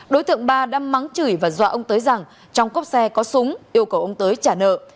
đối tượng ba đã mắng chửi và dọa ông tới rằng trong cốc xe có súng yêu cầu ông tới trả nợ